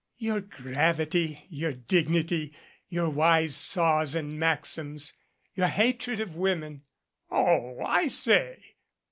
"Your gravity, your dignity, your wise saws and maxims your hatred of women." "Oh, I say."